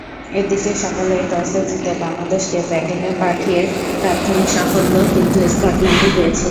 এদিকে সকালে টসে জিতে বাংলাদেশকে ব্যাটিংয়ে পাঠিয়ে প্রাথমিক সাফল্য কিন্তু স্কটল্যান্ডই পেয়েছিল।